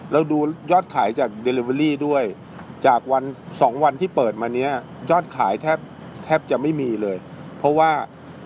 เราดูยอดขายจากเดลิเวอรี่ด้วยจากวันสองวันที่เปิดมาเนี้ยยอดขายแทบแทบจะไม่มีเลยเพราะว่า